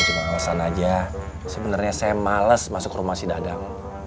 cuma alasan aja sebenarnya saya males masuk rumah si dadang